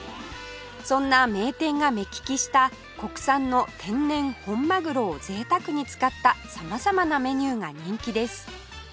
そんな名店が目利きした国産の天然本マグロを贅沢に使った様々なメニューが人気です